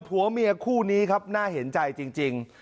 ผัวเมียคู่นี้ครับน่าเห็นใจจริง